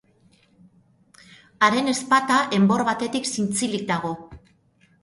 Haren ezpata enbor batetik zintzilik dago.